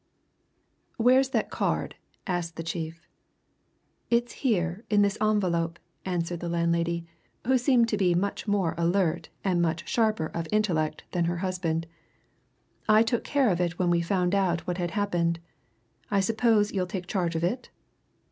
"Where is that card?" asked the chief. "It's here in this envelope," answered the landlady, who seemed to be much more alert and much sharper of intellect than her husband. "I took care of it when we found out what had happened. I suppose you'll take charge of it?"